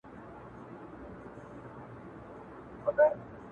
قلندر ويل تا غوښتل غيرانونه،